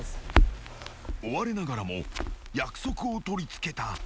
［追われながらも約束を取り付けた］